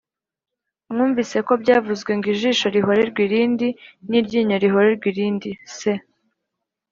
Mwumvise ko byavuzwe ngo ijisho rihorerwe irindi n iryinyo rihorerwe irindi c